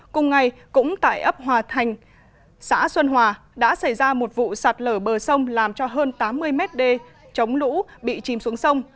cùng ngày cũng tại ấp hòa thành xã xuân hòa đã xảy ra một vụ sạt lở bờ sông làm cho hơn tám mươi mét đê chống lũ bị chìm xuống sông